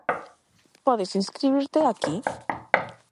Podes inscribirte aquí.